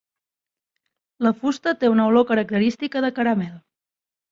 La fusta té una olor característica de caramel.